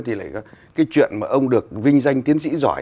thì lại cái chuyện mà ông được vinh danh tiến sĩ giỏi